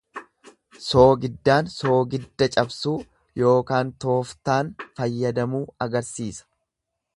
Soogiddaan soogidda cabsuu ykn tooftaan fayyadamuu agarsiisa.